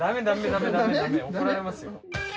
怒られますよ。